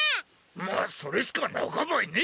まぁそれしかなかばいね。